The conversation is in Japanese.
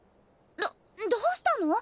どどうしたの？